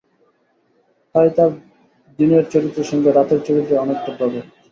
তাই তার দিনের চরিত্রের সঙ্গে রাতের চরিত্রের অনেকটা প্রভেদ।